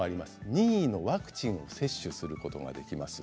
任意のワクチンの接種をすることができます。